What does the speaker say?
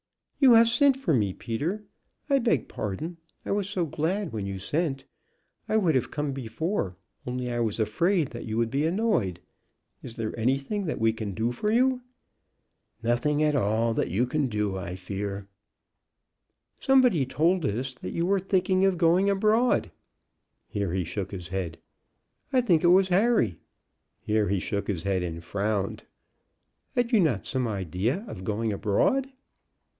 "You have sent for me, Peter I beg pardon. I was so glad when you sent. I would have come before, only I was afraid that you would be annoyed. Is there anything that we can do for you?" "Nothing at all that you can do, I fear." "Somebody told us that you were thinking of going abroad." Here he shook his head. "I think it was Harry." Here he shook his head and frowned. "Had you not some idea of going abroad?"